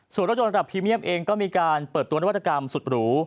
ส่วนรถยนต์รับพรีเมียมเองก็มีการเปิดตัวนวัตกรรมสุดหรู